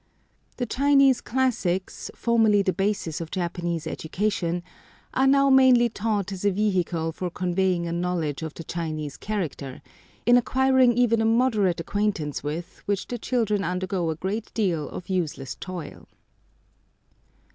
The Chinese classics, formerly the basis of Japanese education, are now mainly taught as a vehicle for conveying a knowledge of the Chinese character, in acquiring even a moderate acquaintance with which the children undergo a great deal of useless toil.